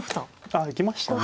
あ行きましたね。